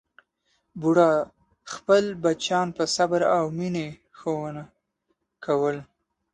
بوډا خپل بچیان په صبر او مینې ښوونه کول.